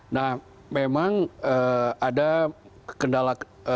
nah memang ada kendala